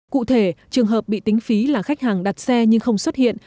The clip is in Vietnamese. cụ thể trường hợp bị tính phí là khách hàng đặt xe nhưng không xuất hiện